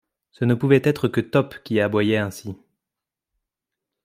Ce ne pouvait être que Top qui aboyait ainsi